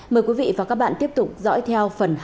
mời quý vị và các bạn tiếp tục dõi theo phần hai của chương trình